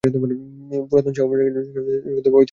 পুরাতন সানা শহর হল ইউনেস্কো ঘোষিত একটি বিশ্ব ঐতিহ্যবাহী স্থান।